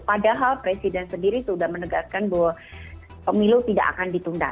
padahal presiden sendiri sudah menegaskan bahwa pemilu tidak akan ditunda